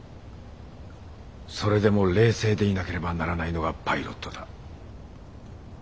それでも冷静でいなければならないのがパイロットだ。